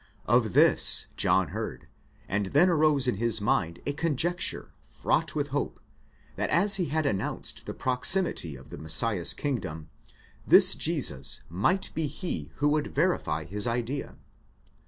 Of this John heard, and then arose in his mind a con jecture, fraught with hope, that as he had announced the proximity of the Messiah's kingdom, this Jesus might be he who would verify his idea.